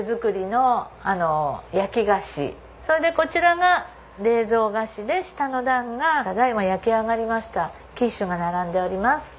それでこちらが冷蔵菓子で下の段がただ今焼き上がりましたキッシュが並んでおります。